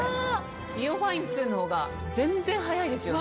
ＩＯファイン２の方が全然早いですよね。